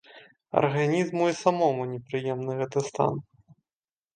Арганізму і самому непрыемны гэты стан.